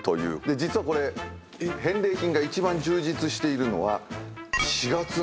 実はこれ返礼品が１番充実しているのは４月なんです。